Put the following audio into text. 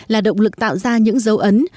là động lực tạo ra những dấu ấn